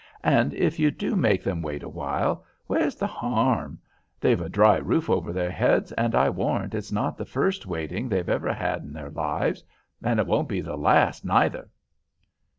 And if you do make them wait awhile, where's the harm? They've a dry roof over their heads, and I warrant it's not the first waiting they've ever had in their lives; and it won't be the last neither."